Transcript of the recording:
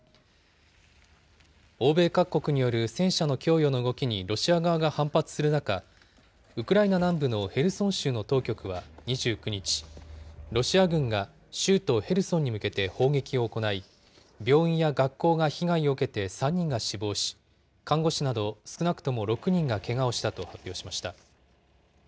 欧米各国による戦車の供与の動きに、ロシア側が反発する中、ウクライナ南部のヘルソン州の当局は２９日、ロシア軍が州都ヘルソンに向けて砲撃を行い、病院や学校が被害を受けて３人が死亡し、看護師など少なくとも６人がけがをしたと発表しました。